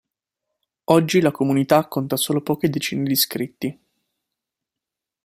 Oggi la comunità conta solo poche decine di iscritti.